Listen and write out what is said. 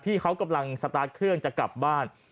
เขากำลังสตาร์ทเครื่องจะกลับบ้าน